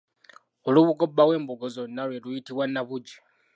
Olubugo bba w'embugo zonna lwe luyitibwa nabugi